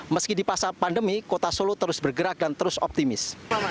meski di masa pandemi kota solo terus bergerak dan terus optimis